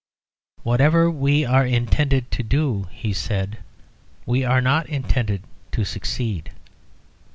"Whatever we are intended to do," he said, "we are not intended to succeed."